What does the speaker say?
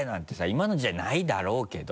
今の時代ないだろうけど。